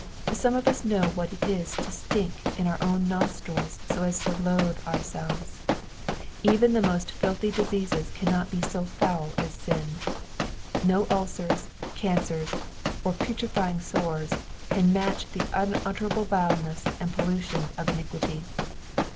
Some of us know what it is to stink in our own noatrila so aa to loathe ourselves. Even the most filthy diseases i^annot be so foul as sin. No ulcers, cancers, or putrifying sores, can match the unutterable vileness and pollution of iniquity.